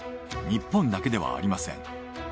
日本だけではありません。